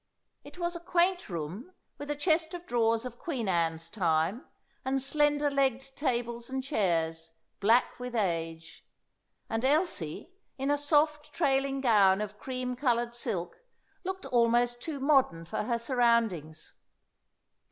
It was a quaint room, with a chest of drawers of Queen Anne's time, and slender legged tables and chairs, black with age, and Elsie, in a soft, trailing gown of cream coloured silk, looked almost too modern for her surroundings.